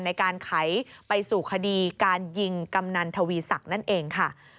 ในการไขไปสู่คดีการยิงกำนันทวีศักดิ์นั่นเองค่ะ